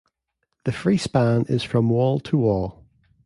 The free span is from wall to wall.